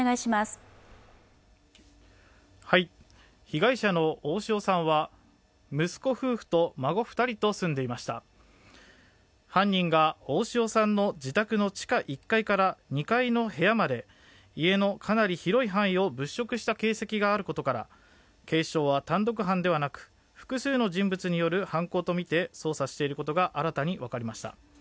被害者の大塩さんは息子夫婦と孫２人と住んでいました犯人が大塩さんの自宅の地下１階から２階の部屋まで家のかなり広い範囲を物色した形跡があることから警視庁は単独犯ではなく複数の人物による犯行とみて捜査していることが新たに分かりました。